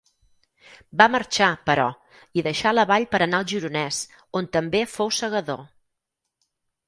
Va marxar, però, i deixà la vall per anar al Gironès, on també fou segador.